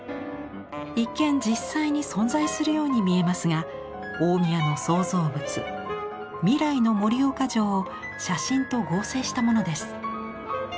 一見実際に存在するように見えますが大宮の創造物「未来の盛岡城」を写真と合成したものです。